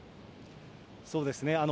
そうですね。